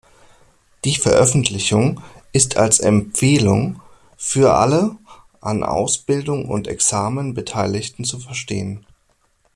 Die Veröffentlichung ist als Empfehlung für alle an Ausbildung und Examen Beteiligten zu verstehen.